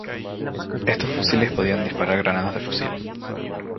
Estos fusiles podían disparar granadas de fusil.